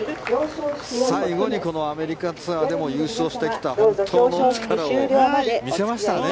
最後にアメリカツアーでも優勝してきた本当の力を見せましたよね。